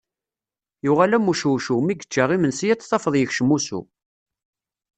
Yuɣal am ucewcew mi yečča imensi a t-tafeḍ yekcem usu.